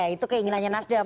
itu keinginannya nasdem